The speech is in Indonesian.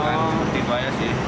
seperti itu aja sih